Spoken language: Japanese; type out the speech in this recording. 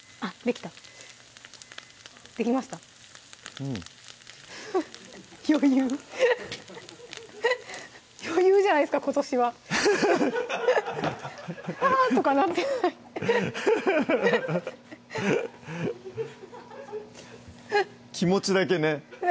うん余裕余裕じゃないですか今年はあっ！とかなってない気持ちだけね